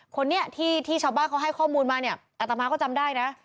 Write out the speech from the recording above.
คนนี้ที่ชาวบ้านเขาให้ข้อมูลมาเนี่ยอัตมาก็จำได้นะ